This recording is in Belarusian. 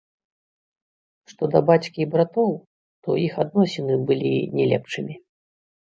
Што да бацькі і братоў, то іх адносіны былі не лепшымі.